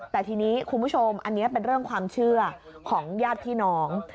แต่ทีนี้คุณผู้ชมอันนี้เป็นเรื่องความเชื่อของญาติพี่น้อง